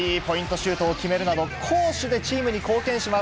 シュートを決めるなど、攻守でチームに貢献します。